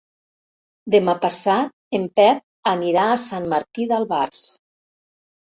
Demà passat en Pep anirà a Sant Martí d'Albars.